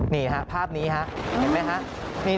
นี่ฮะภาพนี้ฮะเห็นไหมฮะ